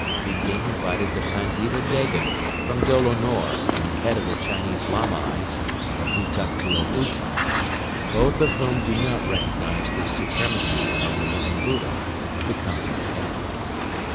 Peking invited the Pandita Gheghen from Dolo Nor and the head of the Chinese Lamaites, the Hutuktu of Utai, both of whom do not recognize the supremacy of the Living Buddha, to come to the capital.